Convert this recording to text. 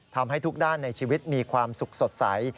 ทำให้ทุกด้านในชีวิตมีความสุขสดใส